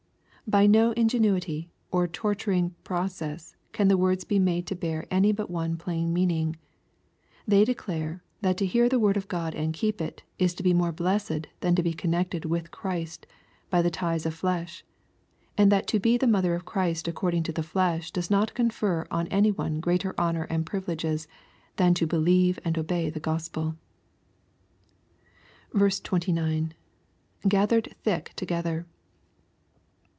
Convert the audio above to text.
By no ingenuity, or torturing pro cess, can the words be made to bear any but one plain meanisg. They declare, that to hear the word of G od and keep it, is to be more blessed than to be connected with Christ by the ties of flesh, and that to be the mother of Christ according tathe flesh does not confer on any one greater honor and privileges than to believe aad obey the GospeL 29. —[ Gathered thick together.